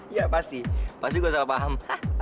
iya pasti pasti gue salah paham